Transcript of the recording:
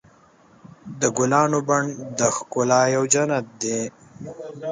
د ګلانو بڼ د ښکلا یو جنت دی.